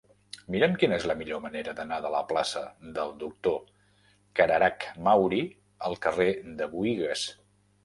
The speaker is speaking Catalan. Mira'm quina és la millor manera d'anar de la plaça del Doctor Cararach Mauri al carrer de Buïgas.